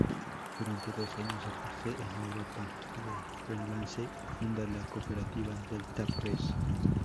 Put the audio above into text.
Durante dos años ejerce en Europa de freelance y funda la cooperativa Delta Press.